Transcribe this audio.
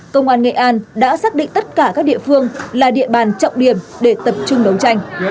hai nghìn hai mươi hai công an nghệ an đã xác định tất cả các địa phương là địa bàn trọng điểm để tập trung đấu tranh